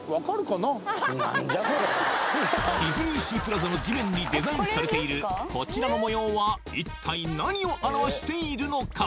ディズニーシー・プラザの地面にデザインされているこちらの模様は一体何を表しているのか？